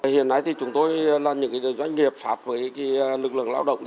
hiện nay chúng tôi là những doanh nghiệp sạp với lực lượng lao động